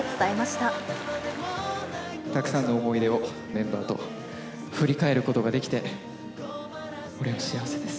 たくさんの思い出をメンバーと振り返ることができて、俺は幸せです。